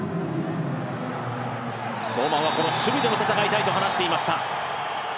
相馬は守備で戦いたいとも話していました。